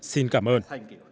xin cảm ơn